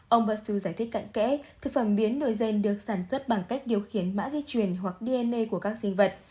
ông basu giải thích cận kẽ thực phẩm biến nổi gen được sản xuất bằng cách điều khiển mã di chuyển hoặc dna của các sinh vật